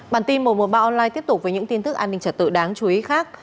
bản tin mùa mùa ba online tiếp tục với những tin tức an ninh trật tự đáng chú ý khác